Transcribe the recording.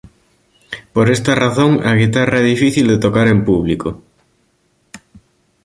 Por esta razón a guitarra é difícil de tocar en público.